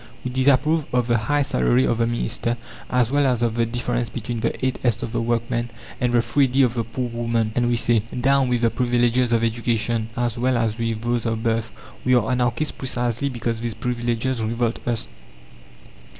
we disapprove of the high salary of the minister as well as of the difference between the 8s. of the workman and the 3d. of the poor woman. And we say, '"Down with the privileges of education, as well as with those of birth!" We are anarchists precisely because these privileges revolt us.